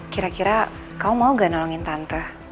kira kira kamu mau gak nolongin tante